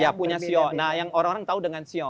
ya punya shio nah yang orang orang tahu dengan shio